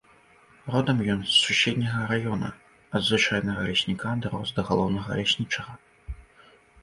Родам ён з суседняга раёна, ад звычайнага лесніка дарос да галоўнага ляснічага.